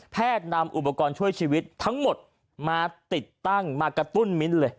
นำอุปกรณ์ช่วยชีวิตทั้งหมดมาติดตั้งมากระตุ้นมิ้นเลย